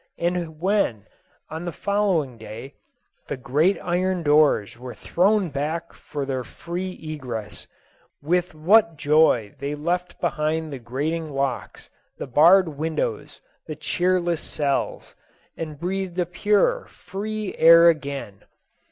And when, on the following day, the great iron doors were thrown back for their free egress, with what joy they left behind the grating locks, the barred windows, the cheerless cells, and breathed a pure, free air again